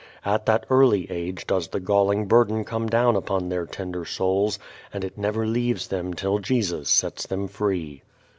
At that early age does the galling burden come down upon their tender souls, and it never leaves them till Jesus sets them free.